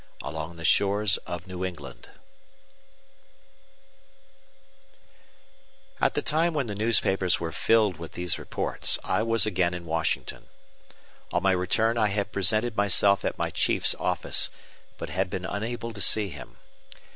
ALONG THE SHORES OF NEW ENGLAND At the time when the newspapers were filled with these reports, I was again in Washington. On my return I had presented myself at my chief's office, but had been unable to see him.